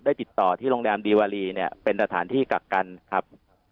ติดต่อที่โรงแรมดีวารีเนี่ยเป็นสถานที่กักกันครับ